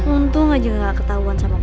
untung aja gak ketahuan sama mama